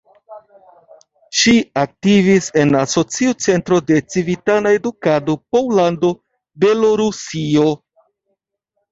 Ŝi aktivis en Asocio Centro de Civitana Edukado Pollando-Belorusio.